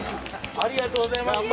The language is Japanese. ありがとうございます。